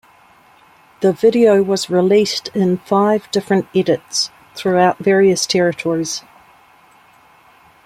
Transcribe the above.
The video was released in five different edits throughout various territories.